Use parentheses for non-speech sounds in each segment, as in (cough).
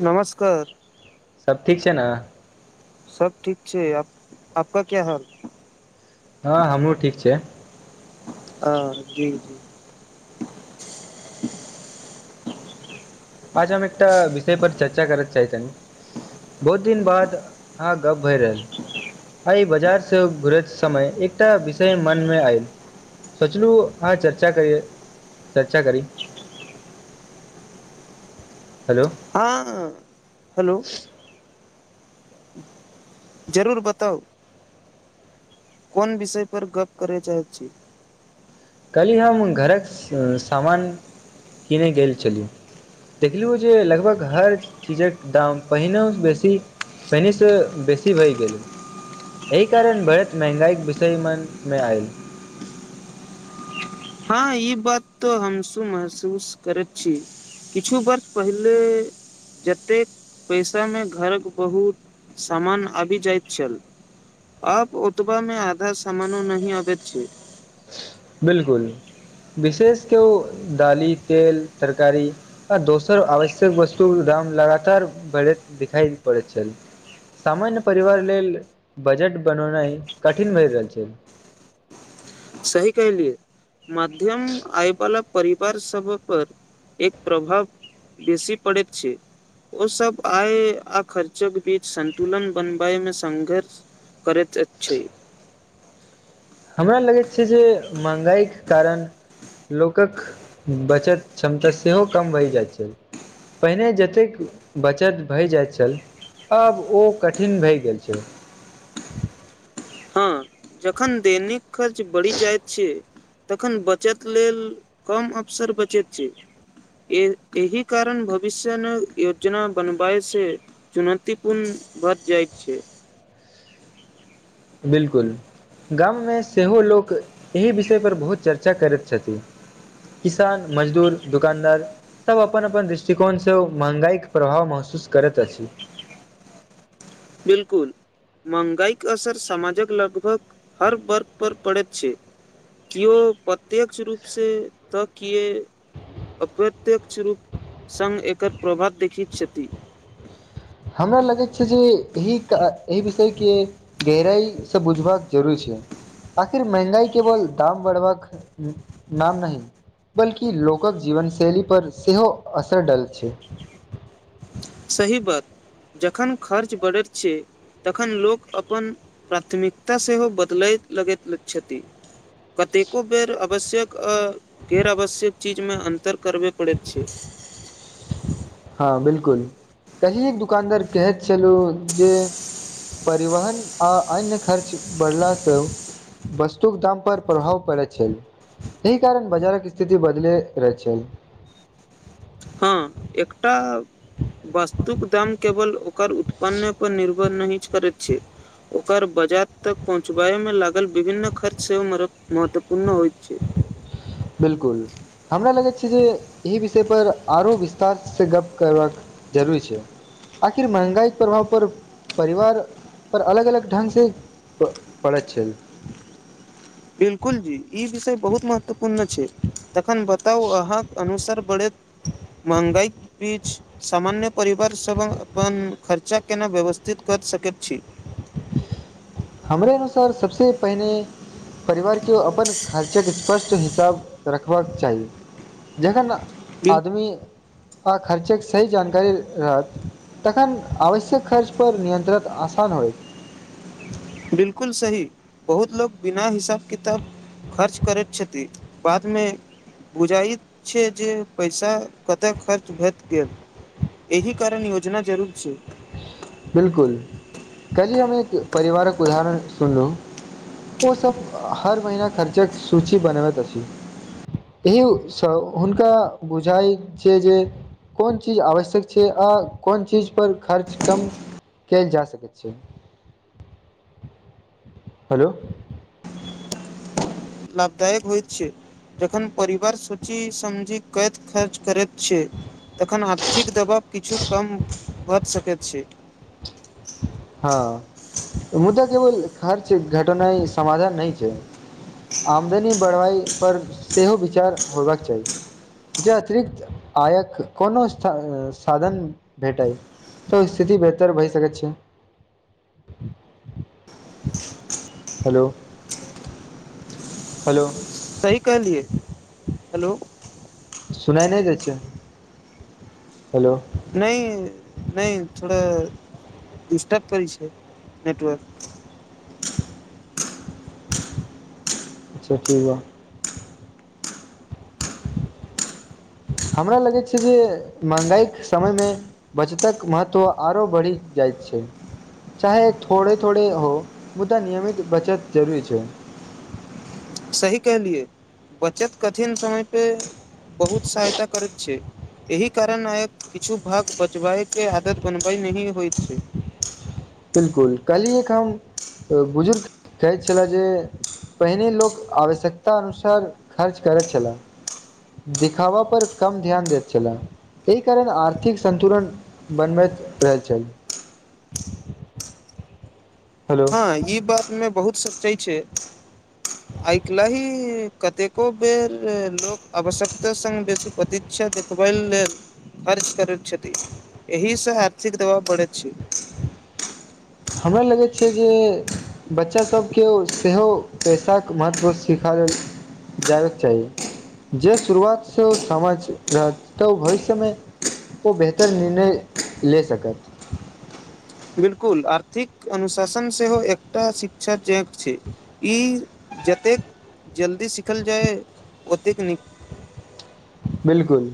नमस्कार सब ठीक छै ने सब ठीक छै आपका क्या हाल हँ हमरो ठीक छै हँ जी जी आचामे एकटा विषय पर चर्चा करत चाहतनी बहुत दिन बाद अहाँ गप्प भय रहल आइ बाजारसँ घुरैत समय एकटा विषय मनमे आयल सचलू आ चर्चा कर चर्चा करी ह हँ हेलो जरूर बताउ कोन विषय परर गप्प करय चाहैत छी कल्हि हम घरक समामान किीनै गेल छलियहु देखलियौ जे लगभग हर चीजक दाम पहिनेसँ बेसी पहिनििसँ बेसी भय गेल एहि कारण भढ़त महंगाईक विषयमन मे आयल हँ ई बात तो हमस महसूस करैत छी किछु बर्ष पहिले जतेक पैसामे घरक बहुत सामान आबि जाइत छल आ ओतबा में आधा सामानो नहि अबै बिलकुल विशेष के ओ दाली तेल तरकारी आ दोसर आवश्यक वस्तु काम लगातार बढ़ैत दिखाई पड़ैत छै सामान्य परिवार लेल बजट बननाइ कठिन भए रहल छै सही कहलियए माध्यम आय वला परिवार सब पर एक प्रभाव बेसी पड़ैत छै ओ सब आय आ खर्चो के बीच संन्तुलन बनबए मे संघर्ष करैतत छै हमरा लगैत छै जे महँगाईके कारण लोकक बचत क्षमता सेहो कम भहि जाइत छै पहिने जतेक बचत भय जाइत छल आब ओ कठिन भए गेल छै हँ जखन दैनिक खर्च बढ़ि जाइत छै तखन बचत लेल कम अवसर बचैत छै एहिह कारण भविष्य ने योजना बनबए से चुनौतीपूर्ण भच जाइके छै ह बिलकुल गाममे सेहो लोक एहि विषयपर बहुत चर्चा करैत छथिन किसान मजदूर दुकानदार सब अपन अपन दृष्टिकोणसँ महगाईक प्रभाव महसू महसूस करैत अछि बिलकुल माहगाईक असर सामजक लगभग हर वर्ग पर पड़ैतै छैय केयो प्रत्य्यक्ष रूपसे तऽ के अप्रत्यक्ष रूप संग एकर प्रभात देखैत छथि हमरा लगैत छै जे एहि एहि विषयके गहराइसँ बुझबाक जरूरी छै आखिर महंगाई केवल दाम बढ़बाक नाम नहि बल्कि लोकक जीवनशैली पर सेहो असर डाल छै सही बात जखन खर्च बढ़त छैय तखन लोक अपन प्राथमिकता सेहो बदलय लगैत छथि कतेको बेर आवश्यक अ गैर आवश्यक चीजमे अन्तर करबे करैत छैय (unintelligible) ह बिलकुल कहि एक दुकानदार कहैत छलहु जे परिवहन आ अन्य खर्च बढ़लासं वस्तुक दाम पर प्रभाव पड़ै छै एहि कारण बजारक स्थिति बदले रहै छैय ह एकटा वस्तुक दाम केवल ओकर उत्पन्न पर निर् ब नहि ह करै छै (unintelligible) ओकर बाजार तक पहुँचबाय मे लागल विभिन्न खर्च सेहो मरऽ महत्वपूर्ण होइत छैय (inaudible) बिलकुल हमरा लगै छै जे एहि विषय पर आरो विस्तार से गप्प करबाक जरूरी छै आखिर महंगाईक प्रभाव पर परिवार पर अलग अलग ढंग से प परैत छैय बिलकुल जी ई विषय बहुत महत्वपूर्ण छैय तखन बताउ अहाँके अनुस रबढ़ैत महगाई बीच सामान्य परिवार सभ अपन खर्चा केना व्यवस्थित कत सकैत छी हमरा अनुसार सबसे पहिने परिवार के अपन खर्चक स्पष्ट हिसाब रखबाक चाही जखन बिल आदमी आ खर्चके सही जानकारी रहततखन आवश्यक खर्च परर नियन्त्रण आसान होयत बिलकुल सही बहुत लोक बिना हिसाब किताब खर्च करैत छथि बादमे बुझाइत छैय जे पैसा कतऽ खर्च भेट गेल एहि कारण योजना जरूर छैय बिलकुल कल ही हम एक परिवारक उदाहरण सुनलू ओ सब हर महीना खर्चक सूचि बनबैत अछी यौ सब हुनका बुझाइ छैय जे कोन चीज आवश्यक छैय आ कोन चीज पर खर्च कम कैल जा सक छै, हेलो लाभदायक होइत छैय जखन परिवार सोचि समझी कैत खर्च करैत छैय तखन आर्थिक दबाव किछु कम भऽ सकैत छैय (unintelligible) ह मुदा केवल खर्च घटनाइ समाधान नै छै आमदनी बढ़बाइ पर सेहो विचार होयबाक चाही जे अतिरिक्त आयक कोनो सायऽ साधन भेटै तऽ स्थिति बेहतर भए सकैत छै हेलो हेलो सही कहलियए हेलो सुनाइ नहि दै हेलो नहि नहि थोड़े डिस्टर्ब करए छै नेटवर्क अच्छा ठीक बा (unintelligible) हमरा लगैत छै जे महगाई समय मे बचतक महत्व आरो बढ़ि जाइत छै चाहे थोड़े थोड़े हो मुद्दा नियमित बचत जरूरी छै (unintelligible) सही कहलियए बचत कठिन समय पे बहुत सहायता करैत छै एहि कारण आइ किछु भाग बचबायके आदत बनबइ नहि होइत छै बिल्कुल काल्हि एक हम बुजुर्ग कहैत छलै जे पहिने लोक आवश्यकता अनुसार खर्च करैत छलै दिखावा पर कम ध्यान देैत छलै एहि कारण आर्थिक संतुलन बनबैत रहल छै हेलो हँ ई बातमे बहुत सोचै छै आइ काल्हि ही कतेको बेर लोक आवश्यकता संग (unintelligible) नीचा देखबय लेल खर्च करैत छथि एहिसँ आर्थिक दबाव बढ़े छै हमरा लगै छै जे बच्चासभके सेहो पैसाक महत्व सिखाल जाबेक चाही जे शुरुआत से ओ समझ रहत तऽ ओ भविष्यमे ओ बेहतर निर्णय ले सकत बिलकुल आर्थिक अनुशासन सेहो एकटा शिक्षा चरण छै ई जतेक जल्दी सीखल जाय ओतेक नीक बिलकुल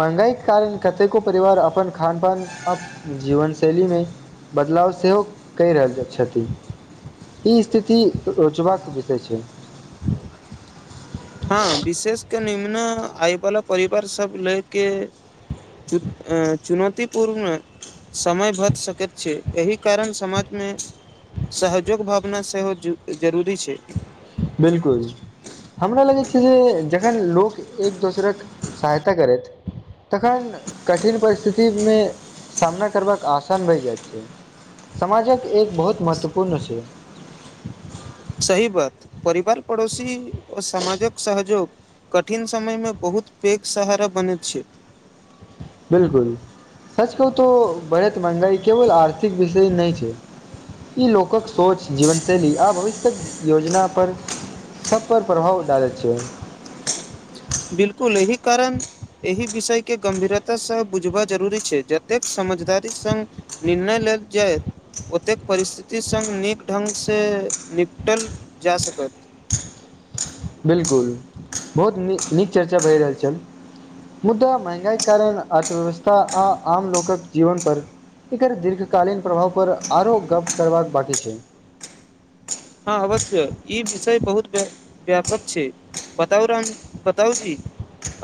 महंगाईक कारण कतेको परिवार अपन खान पान अप जीवन शैलीमे बदलाव सेहो कहि रहल छथि ई स्थिति रोचबाक विषय छै हँ विशेष के निम्न आय वाला परिवार सब ले के चुन ऐं चुनौतीपूर्ण समय भऽ सकैत छै एहि कारण समाजमे सहजोग भावना सेहो ज जरूरी छै बिलकुल हमरा लगै छै जे जखन लोक एक दोसरक सहायता करएथ तखन कठिन परिस्थितिमे सामना करबाक आसान भए जाइत छै समाजक एक बहुत महत्वपूर्ण छै सही बात परिवार पड़ोसी ओ समामाजक सहजोग कठिन समयमे बहुत पैघ सहारा बनैत छै बिलकुल सच कहुँ तो बढ़ैत महगाई केवल आर्थिक विषय नहि छै ई लोकक सोंच जीवन शैली आ भविष्यक योजना पर सब पर प्रभाव डालैत छियै बिलकुल एहि कारन एहि विषय के गंभीरतासँ बुझबा जरूरी छै जतेक समझदारी संग निर्णय ले जाय ओतेक परिस्थिति संग नीक ढंगसँ निपटल जा सकैत (inaudible) बिलकुल बहुत नी नीक चर्चा भए रहल छल मुदा महंगाईक कारण अर्थव्यवस्था आ आम लोकक जीवन पर एकर दीर्घकालीन प्रभाव पर आरो गप्प करबाक बाकी छै हँ अवश्य ई विषय बहुत व्यापक छै बताउ राम बताउ जी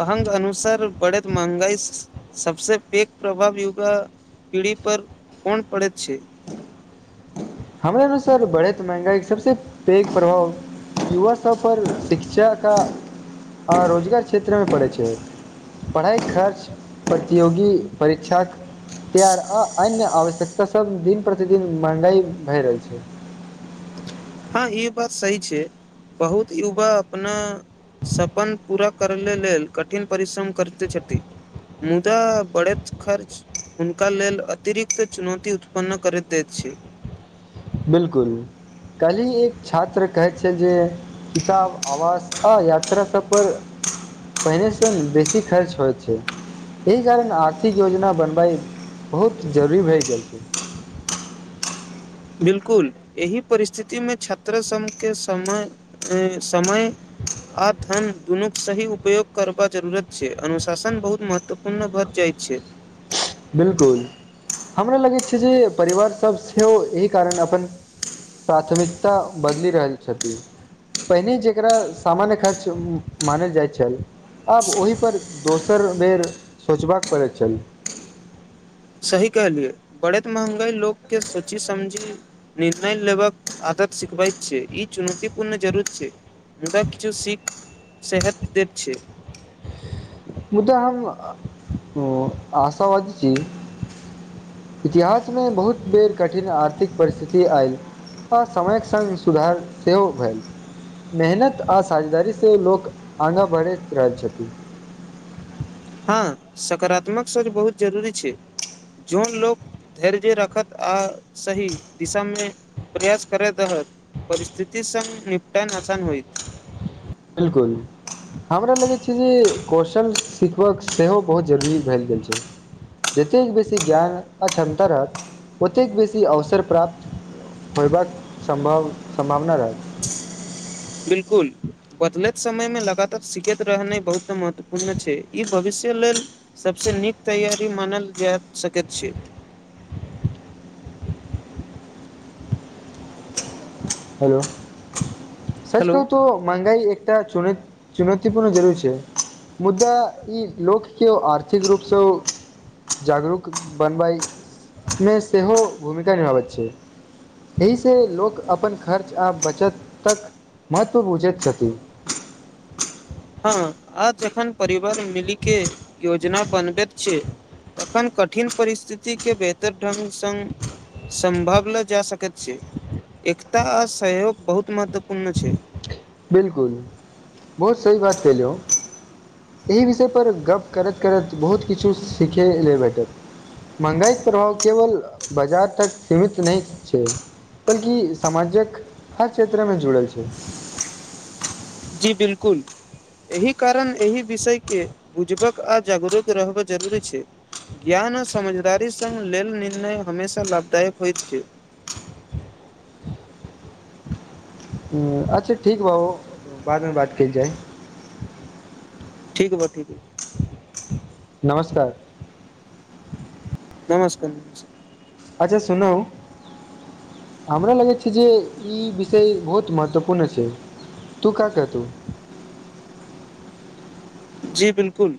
अहंग अनुसार बढ़ैत महंगाई सबसे पीक प्रभाव युगा पीढ़ी पर कोन पड़ैत छै (inaudible) अनुसार बढ़ैत महंगाइक सबसँ पैघ प्रभाव युवा सब पर शिक्षाक आ रोजगार क्षेत्रमे पड़ैत छै पढ़ाइ खर्च प्रतियोगी परीक्षाक तैयार आ अन्य आवश्यकता सभ दिन प्रतिदिन महंगाई भए रहल छै हँ ई बात सही छै बहुत युवा अपना सपन पूरा करेले लेल कठिन परिश्रम करते छथि मुदा बढ़ैत खर्च हुनका लेल अतिरिक्त चुनौती उत्पन्न करैत दैत छै बिलकुल काल्हि एक छात्र कहैत छै जे किताब आवास औ यात्रा सभ पर पहिने सँ न बेसी खर्च होइत छै एहि कारण आर्थिक योजना बनबाइ बहुत जरूरी भए गेल छै बिलकुल एहि परिस्थितिमे छात्र सबके समय समय आ धन दुनुक सही उपयोग करब जरुरत छै अनुशासन बहुत महत्वपूर्ण भ जाइत छै बिलकुल हमरा लगैत छै जे परिवार सब सेहो एहि कारण अपन प्राथमिकता बदलि रहल छथि पहिने जेकरा सामान्य खर्च मानल जाइत छल आब ओहिपर दोसर बेर सोचबाक पड़ैत छल सही कहलियए बढ़ेैत महंगाई लोककेँ सोची समझी निर्णय लेबाक आत सिखबैत छै ई चुनौतीपूर्ण जरूर छै विदा किछु सिख सेहत दे छै मुदा हम ओआशाबादी छी इतिहासमे बहुत बेर कठिन आर्थिक परिस्थिति आयल आ समयक संग इ सुधार सेहो भेल मेहनत आ साझेदारी सँ लोक आगाँ बढ़ैत रहल छथि आँ सकारात्मक सोच बहुत जरूरी छै जोन लोक धैर्यजे रखत आ सहि दिशामे प्रयास करैत रहत परिस्थिति संग निपटैन आसान होइत बिलकुल हमरा लगैत छै जे कौशल सिखबाक सेहो बहुत जरूरी भैल जाइ छै जतेक बेसी ज्ञान आ क्षमता रहत ओतेक बेसी अवसर प्राप्त होयबाक संभव संभावना रहत बिलकुल बदलैत समयमे लगातार सिखैत रहनाइ बहुत महत्वपूर्ण छै ई भविष्य लेल सबसँ नीक तैयारी मानल जैत सकैत छै (inaudible) हैलो सच हेलो कहुँ तोऽ मंहगाई एकटा चुनित चुनौती पूर्ण जरूर छै मुदा ई लोककेँ आर्थिक रूपसँ जागरूक बनबयमे सेहो भूमिका निभाबैत छै एहि से लोक अपन खर्च आ बचत तक महत्व बुझैत छथि हँ आज जखन परिवार मिली के योजना बनबैत छै तखन कठिन परिस्थितिके बेहतर ढ़ंग संग संभव मऽ जा सकैत छी एकता आ सहयोग बहुत महत्वपूर्ण छै बिल्कूल बहुत सही बात कह ले एहि विषयपर गप्प करैत करैत बहुत किछु सीखय लेलऽ भेटत महगाई प्रभाव केवल बाजार तक सीमित नहि छै बल्कि समाजक हर क्षेत्रमे जुड़ल छै। जी बिल्कुल एहि कारण एहि विषयके बुझबाक आ जागरूक रहबबाक जरूरी छै ज्ञान आ समझदारी सङ्ग लेल निर्णय हमेशा लाभदायक होइत छै (unintelligible) ह अच्छा ठीक बु बादमे बात कि जाइ ठीक बा ठीक बा नमस्कार। नमस्कार अच्छा सुनू। हमरा लगैत छै जे ई विषय बहुत महत्वपूर्ण छै तू कतू जी बिल्कुल